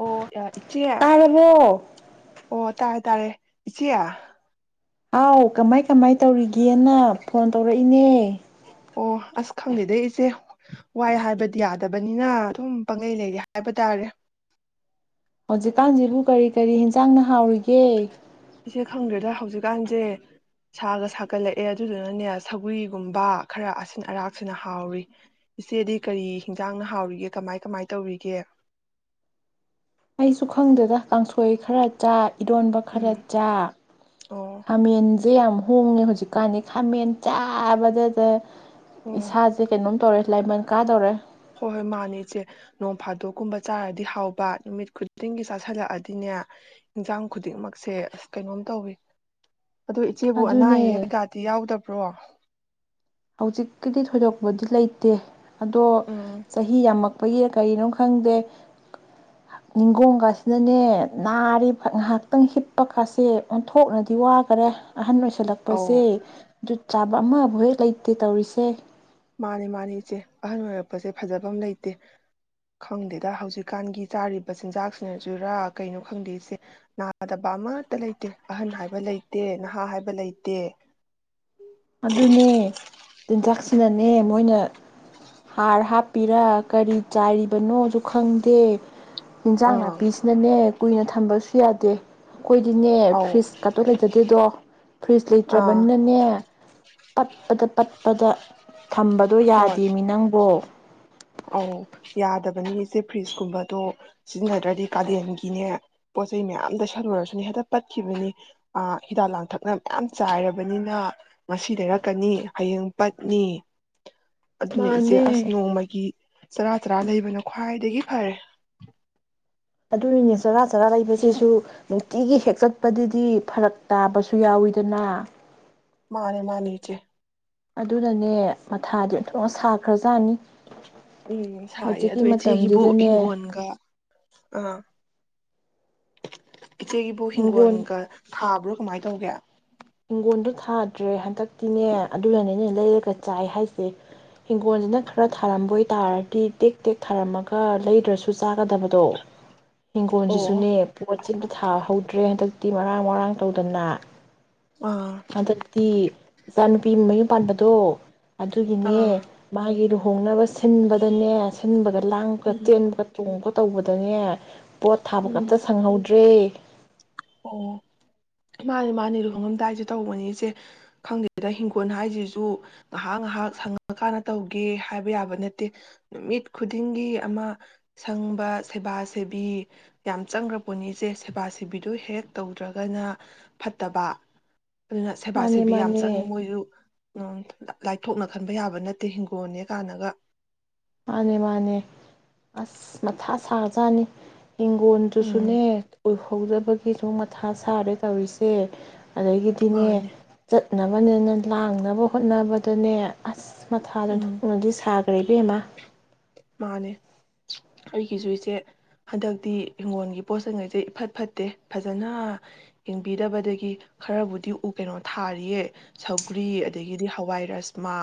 ꯑꯣ ꯌꯥ ꯏꯆꯦ꯫ ꯇꯥꯔꯕꯣ ꯑꯣ ꯇꯥꯔꯦ ꯇꯥꯔꯦ ꯏꯆꯦ꯫ ꯍꯥꯎ ꯀꯃꯥꯏ ꯀꯃꯥꯏ ꯇꯧꯔꯤꯒꯦ꯫ ꯒꯦꯅ ꯐꯣꯟ ꯇꯧꯔꯛꯏꯅꯦ꯫ ꯑꯣ ꯑꯁ ꯈꯪꯗꯦꯗ ꯏꯆꯦ ꯋꯥꯏ ꯍꯥꯏꯕꯗꯤ ꯌꯥꯗꯕꯅꯤꯅ ꯑꯗꯨꯝ ꯄꯪꯂꯩ ꯂꯩꯔꯤ ꯍꯥꯏꯕ ꯇꯥꯔꯦ꯫ ꯍꯧꯖꯤꯛꯀꯥꯟꯖꯤꯕꯨ ꯀꯔꯤ ꯀꯔꯤ ꯍꯦꯟꯖꯥꯡꯅ ꯍꯥꯎꯔꯤꯒꯦ꯫ ꯏꯆꯦ ꯈꯪꯗ꯭ꯔꯦꯗ ꯍꯧꯖꯤꯛꯀꯥꯟꯖꯦ ꯁꯥꯒ ꯁꯥꯒꯠꯂꯛꯑꯦ ꯑꯗꯨꯗꯨꯅꯅꯦ ꯁꯒꯔꯤꯒꯨꯝꯕ ꯈꯔꯥ ꯑꯁꯤꯟ ꯑꯔꯥꯛꯁꯤꯅ ꯍꯥꯎꯔꯤ ꯏꯆꯦꯗꯤ ꯀꯔꯤ ꯍꯤꯟꯖꯥꯡꯅ ꯍꯥꯎꯔꯤꯒꯦ ꯀꯃꯥꯏ ꯀꯃꯥꯏ ꯇꯧꯔꯤꯒꯦ꯫ ꯑꯩꯁꯨ ꯈꯪꯗꯦꯗ ꯀꯥꯡꯁꯣꯏ ꯈꯔ ꯆꯥꯏ꯫ ꯏꯔꯣꯟꯕ ꯈꯔꯥ ꯎꯝ ꯆꯥ ꯑꯣ ꯈꯥꯃꯦꯟ꯫ ꯁꯦ ꯌꯥꯝ ꯍꯣꯡꯉꯦ ꯍꯧꯖꯤꯛꯀꯥꯟꯗꯤ ꯈꯥꯃꯦꯟ ꯆꯥꯕꯗꯗ ꯑꯣ ꯏꯁꯥꯁꯦ ꯀꯩꯅꯣꯝ ꯇꯧꯔꯦ ꯂꯥꯏꯃꯟ ꯀꯥꯗꯧꯔꯦ ꯍꯣꯏ ꯍꯣꯏ ꯃꯥꯅꯦ ꯏꯆꯦ ꯅꯣꯡ ꯐꯥꯗꯣꯛꯀꯨꯝꯕ ꯆꯥꯔꯗꯤ ꯍꯥꯎꯕ ꯅꯨꯃꯤꯠ ꯈꯨꯗꯤꯡꯒꯤ ꯆꯥꯥꯁꯜꯂꯛꯑꯗꯤꯅꯦ ꯏꯟꯖꯥꯡ ꯈꯨꯗꯤꯡꯃꯛꯁꯦ ꯑꯁ ꯀꯩꯅꯣꯝ ꯇꯧꯋꯤ ꯑꯗꯨ ꯏꯆꯦꯕꯨ ꯑꯅꯥ ꯑꯗꯨꯅꯦ ꯑꯌꯦꯛ ꯀꯩꯀꯥꯗꯤ ꯌꯥꯎꯗꯕ꯭ꯔꯣ ꯍꯧꯖꯤꯛꯀꯤꯗꯤ ꯊꯣꯏꯗꯣꯛꯄꯗꯤ ꯂꯩꯇꯦ ꯑꯗꯣ ꯎꯝ ꯆꯍꯤ ꯌꯥꯝꯃꯛꯄꯒꯤ ꯀꯔꯤꯅꯣ ꯈꯪꯗꯦ ꯅꯤꯡꯒꯣꯡꯀꯥꯁꯤꯅꯅꯦ ꯅꯥꯔꯤꯕ ꯉꯥꯏꯍꯥꯛꯇꯪ ꯍꯤꯞꯄꯀꯥꯁꯦ ꯑꯣꯟꯊꯣꯛꯅꯗꯤ ꯋꯥꯒꯔꯦ ꯑꯍꯟ ꯑꯧ ꯑꯣꯏꯁꯜꯂꯛꯄꯁꯦ ꯖꯨꯠ ꯆꯥ ꯑꯃꯕꯨꯛ ꯍꯦꯛ ꯂꯩ ꯐꯠꯇꯤꯜꯦ ꯇꯧꯔꯤꯁꯦ ꯃꯥꯅꯤ ꯃꯥꯅꯤ ꯏꯆꯦ ꯑꯍꯟ ꯑꯣꯏꯔꯛꯄꯁꯦ ꯐꯖꯕ ꯑꯃ ꯂꯩꯇꯦ ꯈꯪꯗꯦꯗ ꯍꯧꯖꯤꯛꯀꯥꯟꯒꯤ ꯆꯥꯔꯤꯕ ꯆꯤꯟꯖꯥꯛꯁꯤꯅꯁꯨꯔꯥ ꯀꯩꯅꯣ ꯈꯪꯗꯦ ꯏꯆꯦ ꯅꯥꯗꯕ ꯑꯃꯠꯇ ꯂꯩꯇꯦ ꯑꯍꯟ ꯍꯥꯏꯕ ꯂꯩꯇꯦ ꯅꯍꯥ ꯍꯥꯏꯕ ꯂꯩꯇꯦ ꯑꯗꯨꯅꯦ ꯆꯤꯟꯖꯥꯛꯁꯤꯅꯅꯦ ꯃꯣꯏꯅ ꯍꯥꯔ ꯍꯥꯞꯄꯤꯔꯥ ꯀꯔꯤ ꯆꯥꯏꯔꯤꯕꯅꯣꯖꯨ ꯈꯪꯗꯦ ꯏꯟꯖꯥꯡ ꯑꯥ ꯅꯥꯄꯤꯁꯤꯅꯅꯦ ꯀꯨꯏꯅ ꯊ ꯊꯝꯕꯁꯨ ꯌꯥꯗꯦ ꯑꯩꯈꯣꯏꯗꯤꯅꯦ ꯑꯧ ꯐ꯭ꯔꯤꯖ ꯀꯥꯇꯣ ꯂꯩꯖꯗꯦꯗꯣ ꯐ꯭ꯔꯤꯖ ꯑꯥ ꯂꯩꯇ꯭ꯔꯕꯅꯤꯅꯅꯦ ꯄꯠꯄꯗ ꯄꯠꯄꯗ ꯊꯝꯕꯗꯣ ꯍꯣꯏ ꯌꯥꯗꯦꯃꯤꯅꯪꯕꯣ ꯑꯧ ꯌꯥꯗꯕꯅꯤ ꯏꯆꯦ ꯐ꯭ꯔꯤꯖꯀꯨꯝꯕꯗꯣ ꯁꯤꯖꯤꯟꯅꯗ꯭ꯔꯗꯤ ꯀꯥꯂꯦꯟꯒꯤꯅꯦ ꯄꯣꯠ ꯆꯩꯩ ꯃꯌꯥꯝꯗ ꯂꯩꯁꯤꯜꯂꯨꯔꯁꯨꯅꯦ ꯍꯦꯛꯇ ꯄꯠꯈꯤꯕꯅꯤ ꯍꯤꯗꯥꯛ ꯂꯥꯡꯊꯛꯅ ꯃꯌꯥꯝ ꯆꯥꯏꯔꯕꯅꯤꯅ ꯉꯁꯤ ꯂꯩꯔꯛꯀꯅꯤ ꯍꯌꯦꯡ ꯄꯠꯅꯤ ꯑꯗꯨꯅ ꯏꯆꯦ ꯃꯥꯅꯦ ꯑꯁ ꯅꯣꯡꯃꯒꯤ ꯆꯔꯥ ꯆꯔꯥ ꯂꯩꯕꯅ ꯈ꯭ꯋꯥꯏꯗꯒꯤ ꯐꯔꯦ ꯑꯗꯨꯅꯦ ꯆꯔꯥ ꯆꯔꯥ ꯂꯩꯕꯁꯤꯁꯨ ꯅꯨꯡꯇꯤꯒꯤ ꯍꯦꯛ ꯆꯠꯄꯗꯗꯤ ꯐꯔꯛ ꯇꯥꯕꯁꯨ ꯌꯥꯎꯋꯤꯗꯅ ꯃꯥꯅꯦ ꯃꯥꯅꯦ ꯏꯆꯦ ꯑꯗꯨꯅꯅꯦ ꯃꯊꯥꯗꯤ ꯑꯣꯟꯊꯣꯛꯅ ꯁꯥꯈ꯭ꯔꯖꯥꯠꯅꯤ ꯎꯝ ꯁꯥꯏꯌꯦ ꯍꯧꯖꯤꯛꯀꯤ ꯑꯗꯣ ꯏꯆꯦꯒꯤꯕꯨ ꯃꯇꯝꯁꯤꯗꯅꯦ ꯍꯤꯡꯒꯣꯟꯒ ꯑꯥ [inaudible] ꯏꯆꯦꯒꯤꯕꯨ ꯍꯤꯡꯒꯣꯜ ꯍꯤꯡꯒꯣꯟꯒꯥ ꯊꯥꯕ꯭ꯔꯣ ꯀꯃꯥꯏ ꯇꯧꯒꯦ ꯍꯤꯡꯒꯣꯜꯗꯨ ꯊꯥꯗ꯭ꯔꯦ ꯍꯟꯗꯛ ꯏꯅꯦ ꯑꯗꯨ ꯂꯩꯥꯅꯅꯦ ꯂꯩꯔꯒ ꯆꯥꯏ ꯍꯥꯏꯁꯦ ꯍꯤꯡꯒꯣꯜꯁꯤꯅ ꯈꯔ ꯊꯥꯔꯝꯕ ꯑꯣꯏꯇꯥꯥꯔꯗꯤ ꯇꯦꯛ ꯇꯦꯛ ꯊꯥꯔꯝꯃꯒ ꯂꯩꯗ꯭ꯔꯁꯨ ꯆꯥꯒꯗꯕꯗꯣ ꯑꯣ ꯍꯤꯡꯒꯣꯜꯁꯤꯁꯨꯅꯦ ꯄꯣꯠꯁꯤ ꯊꯥꯍꯧꯗ꯭ꯔꯦ ꯍꯟꯗꯛ ꯇꯤ ꯃꯔꯥꯡ ꯃꯔꯥꯡ ꯇꯧꯗꯅ ꯑꯥ ꯍꯟꯗꯛꯇꯤ [inaudible] ꯅꯨꯄꯤ ꯃꯌꯨꯝ ꯄꯥꯟꯕꯗꯣ ꯑꯗꯨꯒꯤꯅꯦ ꯑꯥ ꯃꯥꯒꯤ ꯂꯨ ꯂꯨꯍꯣꯡꯅꯕ ꯁꯤꯟꯕꯗꯅꯦ ꯁꯤꯟꯕꯗ ꯂꯥꯡꯕ ꯎꯝ ꯇꯦꯟꯕ ꯇꯣꯡꯕ ꯇꯧꯕꯗꯅꯦ ꯄꯣꯠ ꯊꯥꯕ ꯎꯝ ꯀꯝꯇ ꯁꯪꯍꯧꯗꯦ ꯇꯦ ꯑꯣ ꯃꯥꯅꯤ ꯃꯥꯅꯤ ꯂꯨꯍꯣꯡꯉꯝꯗꯥꯏꯁꯨꯦ ꯇꯧꯕꯅꯤꯆꯦ ꯈꯪꯗꯦꯁꯤꯗ ꯍꯤꯡꯈꯣꯜ ꯍꯥꯏꯁꯤꯁꯨ ꯉꯥꯏꯍꯥꯛ ꯉꯥꯏꯍꯥꯛ ꯁꯪꯉꯀꯥꯟꯗ ꯇꯧꯒꯦ ꯍꯥꯏꯕ ꯌꯥꯕ ꯅꯠꯇꯦ ꯅꯨꯃꯤꯠ ꯈꯨꯗꯤꯡꯒꯤ ꯑꯃ ꯁꯪꯕ ꯁꯦꯕꯥ ꯁꯦꯕꯤ ꯌꯥꯝ ꯆꯪꯈ꯭ꯔꯄꫭꯠꯅꯤꯁꯦ ꯁꯦꯕꯥ ꯁꯦꯕꯤ ꯑꯗꯨ ꯍꯦꯛ ꯇꯧꯗ꯭ꯔꯒꯅ ꯐꯠꯇꯕ ꯑꯗꯨꯅ ꯁꯦꯕꯥ ꯃꯥꯅꯦ ꯁꯦꯕꯤ ꯌꯥꯝ ꯆꯪꯉꯤ ꯃꯥꯅꯦ ꯃꯣꯏꯁꯨ ꯂꯥꯏꯊꯣꯛꯅ ꯈꯟꯕ ꯌꯥꯕ ꯅꯠꯇꯦ ꯍꯤꯡꯒꯣꯜꯅꯦ ꯀꯥꯟꯅꯒ ꯃꯥꯅꯦ ꯃꯥꯅꯦ ꯑꯁ ꯃꯊꯥ ꯁꯥꯔꯖꯥꯅꯤ ꯎꯝ ꯍꯤꯡꯈꯣꯟꯜꯗꯨꯁꯨꯅꯦ ꯍꯧꯖꯕꯒꯤꯁꯨ ꯃꯊꯥ ꯁꯥꯔꯦ ꯇꯧꯔꯤꯁꯦ ꯑꯗꯒꯤꯗꯤꯅꯦ ꯃꯥꯅꯤ ꯆꯠ ꯎꯣꯠꯅꯕꯅꯦꯅ ꯂꯥꯡꯅꯕ ꯍꯣꯠꯅꯕꯗꯅꯦ ꯑꯁ ꯃꯊꯥꯗ ꯎꯝ ꯊꯣꯛꯄꯅꯗꯤ ꯁꯥ ꯀꯔꯩꯕꯤꯦꯝꯃꯥ ꯃꯥꯅꯦ ꯑꯩꯒꯤꯁꯨꯨ ꯏꯁꯦ ꯍꯟꯗꯛꯇꯤ ꯏꯤꯡꯒꯣꯜꯒꯤ ꯄꯣꯠꯁꯉꯩꯁꯦ ꯏꯐꯠ ꯐꯠꯇꯦ ꯐꯖꯅ ꯌꯦꯡꯕꯤꯗꯕꯗꯒꯤ ꯈꯔꯕꯨꯗꯤ ꯎ ꯀꯩꯅꯣ ꯊꯥꯔꯤꯌꯦ ꯁꯧꯒ꯭ꯔꯤ ꯑꯗꯒꯤꯗꯤ ꯍꯋꯥꯏ ꯔꯁꯃꯥ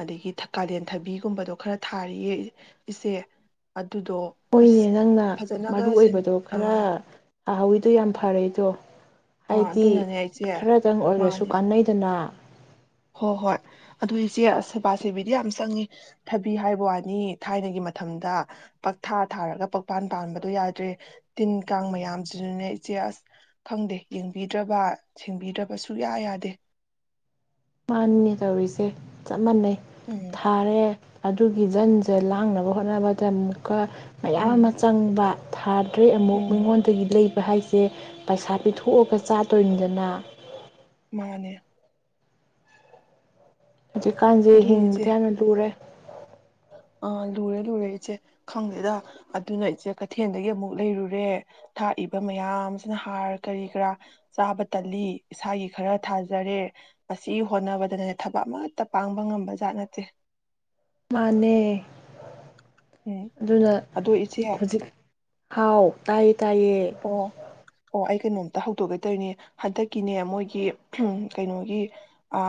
ꯑꯗꯒꯤ ꯀꯥꯂꯦꯟ ꯊꯕꯤꯒꯨꯝꯕꯗꯣ ꯈꯔ ꯊꯥꯔꯤꯌꯦ ꯏꯁꯦ ꯑꯗꯨ ꯃꯣꯏꯅꯦ ꯅꯪꯅ ꯃꯔꯨ ꯑꯣꯏꯕꯗꯣ ꯈꯔ ꯑꯥ ꯑꯥꯎꯋꯏꯗꯣ ꯌꯥꯝ ꯐꯔꯦꯗꯣ ꯑꯥ ꯍꯥꯏꯗꯤ ꯑꯗꯨꯅꯅꯦ ꯏꯆꯦ ꯈꯔꯗꯪ ꯑꯣꯏꯔꯁꯨ ꯃꯥꯅꯦ ꯀꯥꯟꯅꯩꯗꯅ ꯍꯣꯏ ꯍꯣꯏ ꯑꯗꯨ ꯏꯆꯦ ꯑꯁ ꯁꯦꯕꯥ ꯁꯦꯕꯤꯗꯤ ꯌꯥꯝ ꯆꯪꯉꯤ ꯊꯕꯤ ꯍꯥꯏꯕ ꯋꯥꯅꯤ ꯊꯥꯏꯅꯒꯤ ꯃꯇꯝꯗ ꯄꯛꯊꯥ ꯊꯥꯔꯒ ꯄꯛꯄꯥꯟ ꯄꯥꯟꯕꯗꯣ ꯌꯥꯗ꯭ꯔꯦ ꯇꯤꯟ ꯀꯥꯡ ꯃꯌꯥꯝꯁꯤꯅꯅꯦ ꯏꯆꯦ ꯑꯁ ꯈꯪꯗꯦ ꯌꯦꯡꯕꯤꯗ꯭ꯔꯕ ꯁꯦꯡꯕꯤꯗ꯭ꯔꯕ ꯁꯨꯌꯥ ꯌꯥꯗꯦ ꯃꯥꯅꯤꯅꯦ ꯇꯧꯔꯤꯁꯦ ꯆꯞ ꯃꯥꯟꯅꯩ ꯎꯝ ꯊꯥꯔꯦ ꯑꯗꯨꯒꯤ ꯒꯤ ꯖꯟꯁꯦ ꯂꯥꯡꯅꯕ ꯍꯣꯠꯅꯕꯗꯦꯨ ꯀ ꯃꯌꯥꯝ ꯑꯃ ꯎꯝ ꯆꯪꯕ ꯊꯥꯗ꯭ꯔꯦ ꯑꯃꯨꯛ ꯎꯝ ꯃꯤꯉꯣꯟꯗꯒꯤ ꯂꯩ ꯍꯥꯏꯁꯦ ꯄꯩꯁꯥ ꯄꯤꯊꯣꯛꯑꯒ ꯆꯥꯗꯣꯏꯅꯤꯗꯅ ꯃꯥꯅꯦ ꯍꯧꯖꯤꯛꯀꯥꯟꯁꯦ ꯑꯗꯨꯅꯦ ꯏꯆꯦ ꯍꯤꯡꯕꯗ ꯌꯥꯝꯅ ꯂꯨꯔꯦ ꯑꯥ ꯂꯨꯔꯦ ꯂꯨꯔꯦ ꯏꯆꯦ ꯈꯪꯗꯦꯗ ꯑꯗꯨꯅ ꯏꯆꯦ ꯀꯩꯊꯦꯜꯗꯒꯤ ꯑꯃꯨꯛ ꯂꯩꯔꯨꯔꯦ ꯊꯥꯛꯏꯕ ꯃꯌꯥꯝꯁꯤꯅ ꯍꯥꯔ ꯀꯔꯤ ꯀꯔꯥ ꯆꯥꯕ ꯇꯜꯂꯤ ꯏꯁꯥꯒꯤ ꯈꯔ ꯊꯥꯖꯔꯦ ꯑꯁꯤ ꯍꯣꯠꯅꯕꯗꯅꯅꯦ ꯊꯕꯛ ꯑꯃꯠꯇ ꯄꯥꯡꯕ ꯉꯝꯕ ꯖꯥꯠ ꯅꯠꯇꯦ ꯑ ꯎꯝ ꯑꯗꯨꯅ ꯑꯗꯣ ꯏꯆꯦ ꯍꯧꯖꯤꯛ ꯍꯥꯎ ꯇꯥꯏ ꯑꯣ ꯑꯣ ꯑꯩ ꯀꯩꯅꯣꯝꯇ ꯍꯧꯗꯣꯛꯀꯦ ꯇꯧꯔꯤꯅꯦ ꯍꯟꯗꯛꯀꯤꯅꯦ ꯃꯣꯏꯒꯤ ꯀꯩꯅꯣꯒꯤ ꯑ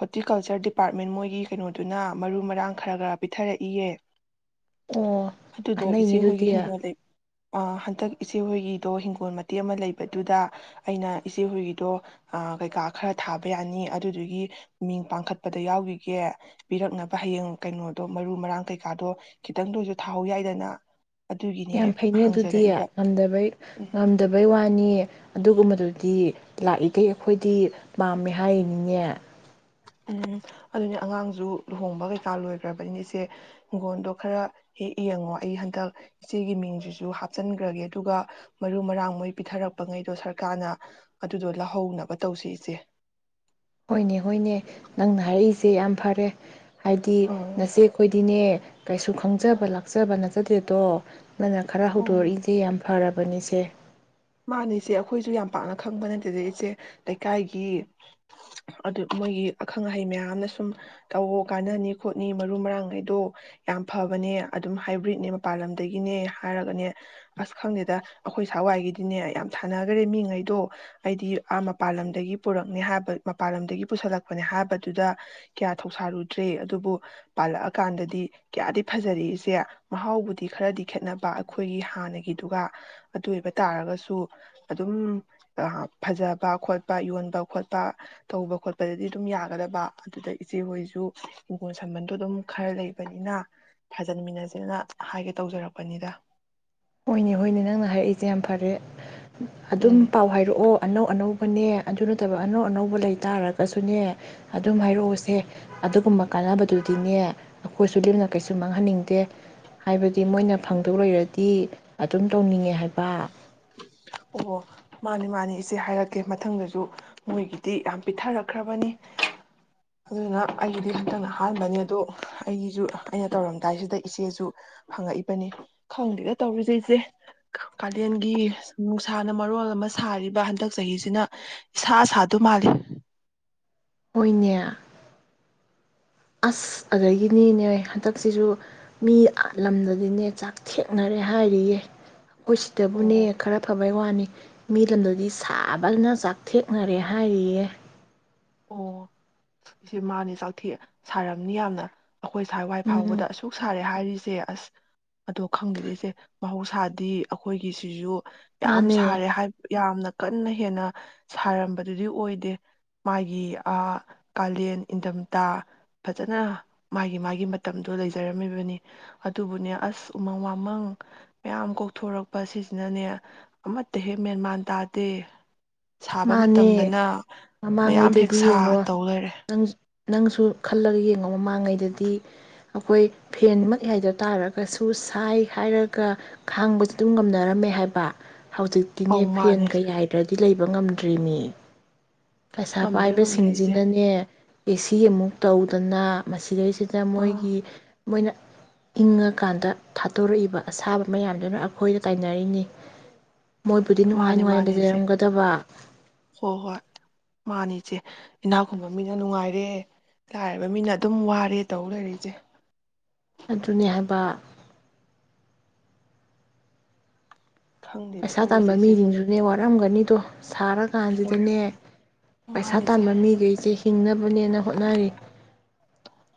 ꯍꯣꯔꯇꯤꯀꯜꯆꯔ ꯗꯤꯄꯥꯔꯠꯃꯦꯟ ꯃꯣꯏꯒꯤ ꯀꯩꯅꯣꯗꯨꯅ ꯃꯔꯨ ꯃꯔꯥꯡ ꯈꯔ ꯈꯔ ꯄꯤꯊꯔꯛꯏꯌꯦ ꯑꯣ ꯑꯗꯨꯗꯣ ꯀꯥꯟꯅꯩꯅꯦ ꯏꯆꯦ ꯍꯣꯏꯒꯤ ꯑꯗꯨꯗꯤ ꯍꯤꯡꯒꯣꯜ ꯂꯩ ꯍꯟꯗꯛ ꯏꯆꯦ ꯍꯣꯏꯒꯤꯗꯣ ꯍꯤꯡꯒꯣꯜ ꯃꯇꯦꯛ ꯑꯃ ꯂꯩꯕꯗꯨꯗ ꯑꯩꯅ ꯏꯆꯦ ꯍꯣꯏꯒꯤꯗꯣ ꯀꯩꯀꯥ ꯈꯔ ꯊꯥꯕ ꯌꯥꯅꯤ ꯑꯗꯨꯗꯨꯒꯤ ꯃꯤꯡ ꯄꯥꯡꯈꯠꯄꯗ ꯌꯥꯎꯈꯤꯒꯦ ꯄꯤꯔꯛꯅꯕ ꯍꯌꯦꯡ ꯀꯩꯅꯣꯗꯣ ꯃꯔꯨ ꯃꯔꯥꯡ ꯀꯩꯀꯥꯗꯣ ꯈꯤꯇꯪꯗ ꯑꯣꯏꯁꯨ ꯊꯥꯍꯧ ꯌꯥꯏꯗꯅ ꯑꯗꯨꯒꯤꯅꯦ ꯌꯥꯝ ꯐꯩꯅꯦ ꯑꯗꯨꯗꯤ ꯍꯪꯖꯔꯛꯏꯕ ꯉꯝꯗꯕꯩ ꯎꯝ ꯉꯝꯗꯕꯩ ꯋꯥꯅꯤꯌꯦ ꯑꯗꯨꯒꯨꯝꯕꯗꯨꯗꯤ ꯂꯥꯛꯏꯈꯩ ꯑꯩꯈꯣꯏꯗꯤ ꯄꯥꯝꯃꯦ ꯍꯥꯏꯔꯤꯅꯤꯉꯦ ꯎꯝ ꯑꯗꯨꯅꯦ ꯑꯉꯥꯡꯁꯨ ꯂꯨꯍꯣꯡꯕ ꯀꯩꯀꯥ ꯂꯣꯏꯈ꯭ꯔꯕꯅꯤ ꯏꯆꯦ ꯍꯤꯡꯒꯣꯟꯗꯣ ꯈꯔ ꯍꯦꯛ ꯌꯦꯡꯉꯣ ꯑꯩ ꯍꯟꯗꯛ ꯏꯆꯦꯒꯤ ꯃꯤꯡꯁꯤꯁꯨ ꯍꯥꯞꯆꯤꯟꯈ꯭ꯔꯒꯦ ꯑꯗꯨꯒ ꯃꯔꯨ ꯃꯔꯥꯡ ꯃꯣꯏ ꯄꯤꯊꯔꯛꯄ ꯉꯩꯗꯣ ꯁꯔꯀꯥꯔꯅ ꯑꯗꯨꯗꯣ ꯂꯧꯍꯧꯅꯕ ꯇꯧꯁꯤ ꯏꯆꯦ ꯍꯣꯏꯅꯦ ꯍꯣꯏꯅꯦ ꯅꯪꯅ ꯍꯥꯏꯔꯛꯏꯁꯦ ꯌꯥꯝ ꯐꯔꯦ ꯍꯥꯏꯗꯤ ꯎꯝ ꯅꯁꯦ ꯑꯩꯈꯣꯏꯗꯤꯅꯦ ꯀꯩꯁꯨ ꯈꯪꯖꯕ ꯂꯥꯛꯆꯕ ꯅꯦ ꯆꯠ ꯆꯗꯦꯗꯣ ꯅꯅ ꯈꯔ ꯑꯣ ꯍꯧꯗꯣꯔꯛꯏꯁꯦ ꯌꯥꯝ ꯐꯔꯕꯅꯤꯁꯦ ꯃꯥꯅꯤꯁꯦ ꯑꯩꯈꯣꯏꯁꯨ ꯌꯥꯝ ꯄꯥꯛꯅ ꯈꯪꯕ ꯅꯠꯇꯦꯗ ꯏꯆꯦ ꯂꯩꯀꯥꯏꯒꯤ ꯑꯗꯨ ꯃꯣꯏꯒꯤ ꯑꯈꯪ ꯑꯍꯩ ꯃꯌꯥꯝꯅ ꯁꯨꯝ ꯇꯧꯋ ꯀꯥꯟꯅꯅꯤ ꯈꯣꯠꯅꯤ ꯃꯔꯨ ꯃꯔꯥꯡꯉꯩꯗꯣ ꯌꯥꯝ ꯐꯕꯅꯦ ꯑꯗꯨꯝ ꯍꯥꯏꯕ꯭ꯔꯤꯠꯅꯦ ꯃꯄꯥꯟ ꯂꯝꯗꯒꯤꯅꯦ ꯍꯥꯏꯔꯒꯅꯦ ꯑꯁ ꯈꯪꯗꯦꯗ ꯑꯩꯈꯣꯏ ꯁꯋꯥꯏꯒꯤꯗꯤ ꯑꯗꯨꯅꯦ ꯌꯥꯝ ꯁꯥꯟꯅꯈꯔꯦ ꯃꯤꯉꯩꯗꯣ ꯑꯩꯗꯤ ꯑꯥ ꯃꯄꯥꯟ ꯂꯝꯗꯒꯤ ꯄꯨꯔꯛꯅꯦ ꯍꯥꯏꯕ ꯃꯄꯥꯟ ꯂꯝꯗꯒꯤ ꯄꯨꯁꯜꯂꯛꯄꯅꯦ ꯍꯥꯏꯕꯗꯨꯗ ꯀꯌꯥ ꯊꯧꯁꯥꯔꯨꯗ꯭ꯔꯦ ꯑꯗꯨꯕꯨ ꯄꯥꯜꯂꯛꯑꯀꯥꯟꯗꯗꯤ ꯀꯌꯥꯗꯤ ꯐꯖꯔꯛꯏꯁꯦ ꯃꯍꯥꯎꯕꯨꯗꯤ ꯈꯔꯗꯤ ꯈꯦꯠꯅꯕ ꯑꯩꯈꯣꯏꯒꯤ ꯍꯥꯟꯅꯒꯤꯗꯨꯒ ꯑꯗꯨ ꯑꯣꯏꯕ ꯇꯥꯔꯒꯁꯨ ꯑꯗꯨꯝ ꯐꯖꯕ ꯈꯣꯠꯄ ꯌꯣꯟꯕ ꯈꯣꯠꯄ ꯇꯧꯕ ꯈꯣꯠꯄꯗꯗꯤ ꯑꯗꯨꯝ ꯌꯥꯒꯗꯕ ꯑꯗꯨꯗ ꯏꯆꯦ ꯍꯣꯏꯁꯨ ꯍꯪꯒꯣꯜ ꯁꯥꯝꯕꯟꯗꯣ ꯑꯗꯨꯝ ꯈꯔ ꯂꯩꯕꯅꯤꯅ ꯐꯥꯖꯟꯃꯤꯟꯅꯁꯤꯅ ꯍꯥꯏꯒꯦ ꯇꯧꯖꯔꯛꯄꯅꯤꯗ ꯍꯣꯏꯅꯦ ꯍꯣꯏꯅꯦ ꯅꯪꯅ ꯍꯥꯏꯔꯛꯏꯁꯦ ꯌꯥꯝ ꯐꯔꯦ ꯑꯗꯨꯝ ꯎꯝ ꯄꯥꯎ ꯍꯥꯏꯔꯛꯑꯣ ꯑꯅꯧ ꯑꯅꯧꯕ ꯑꯩꯈꯣꯏꯅꯦ ꯑꯗꯨ ꯅꯠꯇꯕ ꯑꯅꯧ ꯑꯅꯧꯕ ꯂꯩ ꯇꯥꯔꯒꯁꯨꯅꯦ ꯑꯗꯨꯝ ꯍꯥꯏꯔꯛꯑꯣꯁꯦ ꯑꯗꯨꯒꯨꯝꯕ ꯀꯥꯟꯅꯕꯗꯨꯗꯤꯅꯦ ꯑꯩꯈꯣꯏꯁꯨ ꯂꯦꯝꯅ ꯀꯩꯁꯨ ꯃꯥꯡꯍꯟꯅꯤꯡꯗꯦ ꯍꯥꯏꯕꯗꯤ ꯃꯣꯏꯅ ꯐꯪꯗꯧ ꯂꯩꯔꯗꯤ ꯤ ꯑꯗꯨꯝ ꯇꯧꯅꯤꯡꯉꯦ ꯍꯥꯏꯕ ꯑꯣ ꯃꯥꯅꯤ ꯃꯥꯅꯤ ꯏꯆꯦ ꯍꯥꯏꯔꯛꯀꯦ ꯃꯊꯪꯗꯁꯨ ꯃꯣꯏꯒꯤꯗꯤ ꯌꯥꯝ ꯄꯤꯊꯔꯛꯈ꯭ꯔꯕꯅꯤ ꯑꯗꯨꯅ ꯑꯩꯒꯤꯗꯤ ꯍꯟꯇꯪꯅ ꯑꯍꯥꯟꯕꯅꯤ ꯑꯗꯣ ꯑꯩꯒꯤꯁꯨ ꯑꯩꯅ ꯇꯧꯔꯝꯗꯥꯏꯁꯤꯗ ꯏꯆꯦꯁꯨ ꯍꯪꯉꯛꯏꯕꯅꯤ ꯈꯪꯗꯦꯗ ꯇꯧꯔꯤꯁꯦ ꯏꯆꯦ ꯀꯥꯂꯦꯟꯒꯤ ꯅꯨꯡꯁꯥꯅ ꯃꯔꯣꯜ ꯑꯃ ꯁꯥꯔꯤꯕ ꯍꯟꯗꯛ ꯆꯍꯤꯁꯤꯅ ꯏꯁꯥ ꯁꯥꯗ ꯃꯥꯜꯂꯤ ꯍꯣꯏꯅꯦ ꯑꯁ ꯑꯗꯨꯗꯒꯤꯅꯤꯅꯦ ꯍꯟꯗꯛꯁꯤꯁꯨ ꯃꯤ ꯂꯝꯗꯗꯤꯅꯦ ꯆꯥꯛ ꯊꯦꯡꯅꯔꯦ ꯍꯥꯏꯔꯤꯌꯦꯦ ꯈꯣꯏꯁꯤꯗꯕꯨꯅꯦ ꯑꯣ ꯈꯔꯥ ꯐꯥ ꯕꯥ ꯋꯥꯅꯤ ꯃꯤ ꯂꯝꯗꯗꯤ ꯁꯥꯕꯅ ꯆꯥꯛꯊꯦꯛꯅꯔꯦ ꯍꯥꯏꯔꯤꯌꯦ ꯑꯣ ꯏꯁꯦ ꯃꯥꯅꯦ ꯆꯥꯛꯊꯦꯛꯑꯦ ꯁꯥꯔꯝꯅꯤ ꯌꯥꯝꯅ ꯑꯩꯈꯣꯏ ꯁꯋꯥꯏ ꯎꯝ ꯐꯥꯎꯕꯗ ꯑꯁꯨꯛ ꯁꯥꯔꯦ ꯍꯥꯏꯔꯤꯁ ꯁꯦ ꯑꯁ ꯑꯗꯣ ꯈꯪꯗꯦꯔꯤ ꯏꯆꯦ ꯃꯍꯧꯁꯥꯗꯤ ꯑꯩꯈꯣꯏꯒꯤꯁꯤꯁꯨ ꯌꯥꯝ ꯃꯥꯅꯦ ꯁꯥꯔꯦ ꯍꯥꯏ ꯌꯥꯝꯅ ꯀꯟꯅ ꯍꯦꯟꯅ ꯁꯥꯔꯝꯕꯗꯨꯗꯤ ꯑꯣꯏꯗꯦ ꯃꯥꯒꯤ ꯀꯥꯂꯦꯟ ꯏꯟꯗꯝꯝꯊꯥ ꯐꯖꯅ ꯃꯥꯒꯤ ꯃꯥꯒꯤ ꯃꯇꯝꯗꯣ ꯂꯩꯖꯔꯝꯃꯤꯕꯅꯤ ꯑꯗꯨꯕꯨꯅꯦ ꯑꯁ ꯎꯃꯪ ꯋꯥꯃꯪ ꯃꯌꯥꯝ ꯀꯣꯛꯊꯣꯔꯛꯄ ꯁꯤꯁꯤꯅꯅꯦ ꯑꯃꯠꯇ ꯍꯦꯛ ꯃꯦꯟꯃꯥꯟ ꯇꯥꯗꯦ ꯁꯥꯕ ꯃꯥꯅꯦ ꯃꯇꯝꯗꯅ ꯃꯌꯥꯝ ꯍꯦꯛ ꯃꯃꯥꯡꯉꯩꯗꯗꯤ ꯁꯥ ꯌꯦꯡꯉꯣ ꯇꯧ ꯂꯩꯔꯦ ꯅꯪ ꯅꯪꯁꯨ ꯈꯜꯂꯒ ꯌꯦꯡꯉꯣ ꯃꯃꯥꯡꯉꯩꯗꯗꯤ ꯑꯩꯈꯣꯏ ꯐꯦꯟꯃꯛ ꯌꯥꯏꯗ ꯇꯥꯔꯒ ꯁꯨ ꯁꯥꯏ ꯍꯥꯏꯔꯒ ꯈꯥꯡꯕꯁꯨ ꯑꯗꯨꯝ ꯉꯝꯅꯔꯝꯃꯦ ꯍꯥꯏꯕ ꯍꯧꯖꯤꯛꯇꯛꯤꯅꯦ ꯑꯧ ꯐꯦꯟ ꯃꯥꯅꯤ ꯏꯆꯦ ꯀꯩ ꯍꯥꯏꯗ꯭ꯔꯗꯤ ꯂꯩꯕ ꯄꯤꯕ ꯉꯝꯗ꯭ꯔꯤꯅꯤ ꯄꯩꯁꯥ ꯉꯝꯗ꯭ꯔꯦ ꯉꯝꯗ꯭ꯔꯦ ꯏꯆꯦ ꯄꯥꯏꯕꯁꯤꯡꯁꯤꯅꯅꯦ ꯑꯦꯁꯤ ꯑꯃꯨꯛ ꯇꯧꯗꯅ ꯃꯁꯤꯗꯩ ꯁꯤꯗ ꯑꯥ ꯃꯣꯏꯒꯤ ꯃꯣꯏꯅ ꯏꯪꯉꯀꯥꯟꯗ ꯊꯥꯠꯇꯣꯔꯛꯏꯕ ꯑꯁꯥꯕ ꯃꯌꯥꯝꯗꯨꯅ ꯑꯩꯈꯣꯏꯗ ꯇꯥꯏꯅꯔꯤꯅꯤ ꯃꯣꯏꯕꯨꯗꯤ ꯅꯨꯡꯉꯥꯏ ꯃꯥꯅꯤ ꯅꯨꯡꯉꯥꯏꯅ ꯃꯥꯅꯤ ꯏꯆꯦ ꯂꯩꯖꯔꯝꯒꯗꯕ ꯃꯥꯅꯤꯆꯦ ꯏꯅꯥꯛ ꯈꯨꯨꯟꯕ ꯃꯤꯅ ꯅꯨꯡꯉꯥꯏꯔꯦ ꯂꯥꯏꯔꯕ ꯃꯤꯅ ꯑꯗꯨꯝ ꯋꯥꯔꯦ ꯇꯧ ꯂꯩꯔꯛꯏꯁꯦ ꯑꯗꯨꯅꯤ ꯍꯥꯏꯕ ꯈꯪꯗꯦꯗ ꯄꯩꯁꯥ ꯇꯧꯔꯤꯁꯦ ꯇꯥꯟꯕ ꯏꯆꯦ ꯑꯗꯨꯅ ꯃꯤꯁꯤꯡꯁꯨꯅꯦ ꯋꯥꯔꯝꯒꯅꯤ ꯠꯇꯣ ꯋꯥꯔꯝ ꯁꯥꯔꯀꯥꯟꯁꯤꯗꯅꯦ ꯄꯩꯁꯥ ꯃꯥꯅꯤ ꯏꯆꯦ ꯇꯥꯟꯕ ꯃꯤꯈꯩꯁꯦ ꯍꯤꯡꯅꯕꯅꯦꯅ ꯍꯣꯠꯅꯔꯤ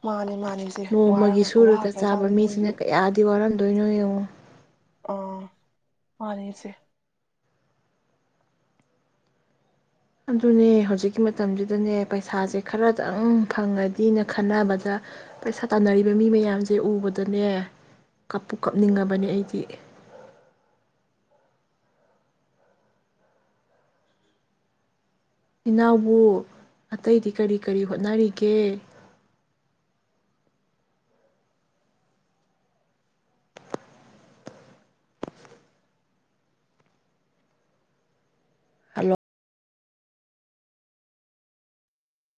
ꯃꯥꯅꯤ ꯃꯥꯅꯤ ꯏꯆꯦ ꯋꯥꯔ ꯅꯣꯡꯃꯒꯤ ꯁꯨꯔꯒ ꯆꯥꯕ ꯋꯥꯈ꯭ꯔꯖꯥꯠꯅꯤ ꯃꯤꯁꯤꯅ ꯃꯣꯏꯁꯨ ꯀꯌꯥꯗꯤ ꯋꯥꯔꯝ ꯑꯗꯨꯣꯏꯅ ꯌꯦꯣꯡꯉ [unintelligible] ꯑ ꯃꯥꯅꯤꯁꯦ ꯑꯗꯨꯅꯦ ꯍꯧꯖꯤꯛꯀꯤ ꯃꯇꯝꯁꯤꯗꯅꯦ ꯄꯩꯁꯥꯁꯦ ꯈꯔꯗꯪ ꯐꯪꯉꯗꯤꯅ ꯈꯟꯅꯕꯗ ꯄꯩꯁꯥ ꯇꯥꯟꯅꯔꯤꯕ ꯃꯤ ꯃꯌꯥꯝꯁꯦ ꯎꯕꯗꯅꯦ ꯀꯞꯄꯨ ꯀꯞꯅꯤꯡꯉꯕꯅꯦ ꯑꯩꯗꯤ ꯏꯅꯥꯎꯕꯨ ꯑꯇꯩꯗꯤ ꯀꯔꯤ ꯀꯔꯤ ꯍꯣꯠꯅꯔꯤꯒꯦ ꯍꯜꯂꯣ